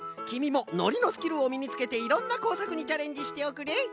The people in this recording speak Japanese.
きみものりのスキルをみにつけていろんなこうさくにチャレンジしておくれ。